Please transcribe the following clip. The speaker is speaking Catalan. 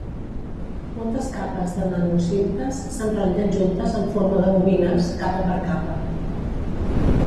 Moltes capes de nanocintes s'enrotllen juntes en forma de bobines, capa per capa.